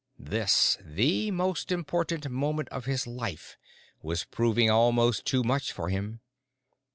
This, the most important moment of his life, was proving almost too much for him.